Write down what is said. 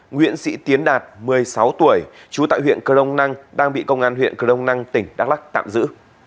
nguyễn sĩ tiến đạt một mươi sáu tuổi trú tại huyện cờ đông năng đang bị công an huyện cờ đông năng tỉnh đắk lắc tạm giữ